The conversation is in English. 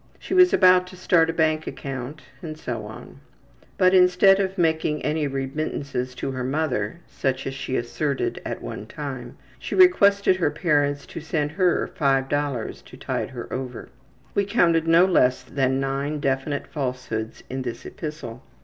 She was about to start a bank account, and so on. But instead of making any remittances to her mother (such as she asserted at one time) she requested her parents to send her $5 to tide her over. We counted no less than nine definite falsehoods in this epistle.